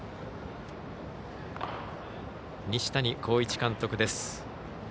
西谷浩一監督です。